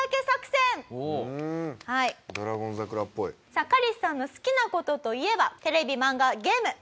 さあカリスさんの好きな事といえばテレビ漫画ゲーム。